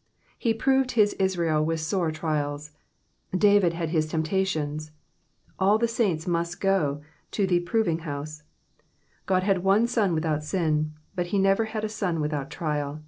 ^^ He proved his Israel with sore trials. David had his temptations. All the saints must go to the proving house ; God had one Son without sin, but he never had a son without trial.